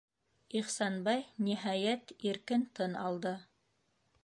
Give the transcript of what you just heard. Ихсанбай, ниһәйәт, иркен тын алды.